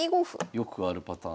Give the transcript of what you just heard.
よくあるパターン。